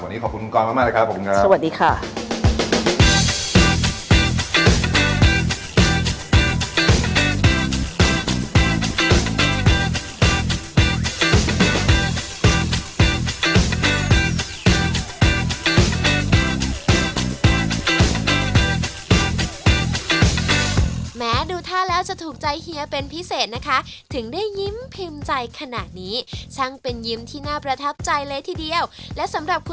วันนี้ขอบคุณกอลมากค่ะขอบคุณครับ